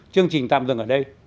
chương trình tạm dừng ở đây